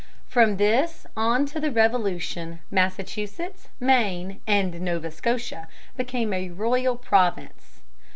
From this on to the Revolution, Massachusetts, Maine, and Nova Scotia became a royal province.